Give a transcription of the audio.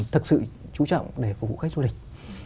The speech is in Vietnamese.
thực sự chú trọng để phục vụ khách du lịch